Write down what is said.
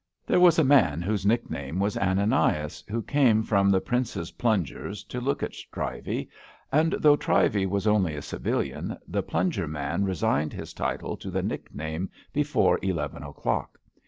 There was a man whose nickname was Ana nias/' who came from the Prince's Plungers to look at Trivey; and, though Trivey was only a civilian, the Plunger man resigned his title to the nickname before eleven o'clock.